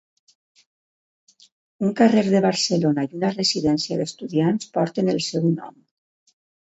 Un carrer de Barcelona i una residència d'Estudiants porten el seu nom.